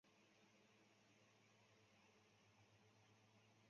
全力取缔非法电动玩具